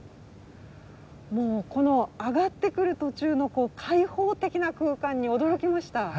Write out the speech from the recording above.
もうこの上がってくる途中の開放的な空間に驚きました。